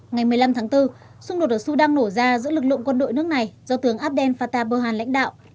ngày một mươi năm tháng bốn xung đột ở sudan nổ ra giữa lực lượng quân đội nước này do tướng abdel fatar bhuhan lãnh đạo